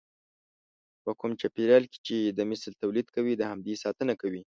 په کوم چاپېريال کې چې د مثل توليد کوي د همدې ساتنه کوي.